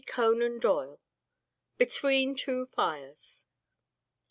CONAN DOYLE. "BETWEEN TWO FIRES."